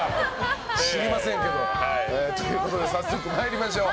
知りませんけど。ということで、早速参りましょう。